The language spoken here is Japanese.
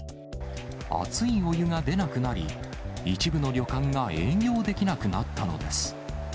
熱いお湯が出なくなり、一部の旅館が営業できなくなったのです。